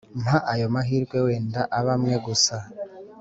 Mpa ayo mahirwe wenda abe amwe gusa